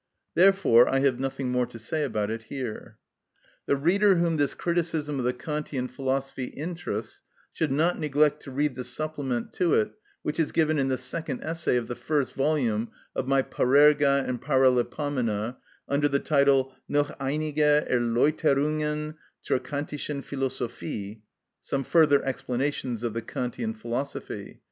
Therefore I have nothing more to say about it here. The reader whom this criticism of the Kantian philosophy interests should not neglect to read the supplement to it which is given in the second essay of the first volume of my "Parerga and Paralipomena," under the title "Noch einige Erläuterungen zur Kantischen Philosophie" (Some Further Explanations of the Kantian Philosophy).